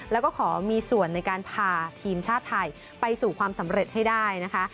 แล้วก็ขอมีส่วนในการพาทีมชาติไทยไปสู่ความสำเร็จให้ได้นะคะ